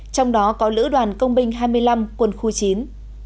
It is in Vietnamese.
trong đó có lữ đoàn công binh hai mươi năm quân khu chín